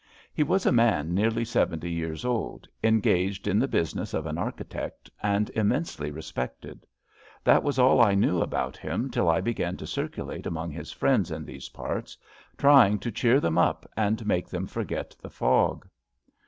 He was a man nearly seventy years old, en gaged in the business of an architect, and im mensely respected. That was all I knew about him till I began to circulate among his friends in these parts, trying to cheer them up and make them forget the fog.